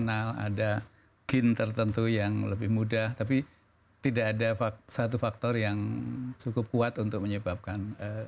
final ada gain tertentu yang lebih mudah tapi tidak ada satu faktor yang cukup kuat untuk menyebabkan